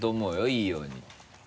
いいように。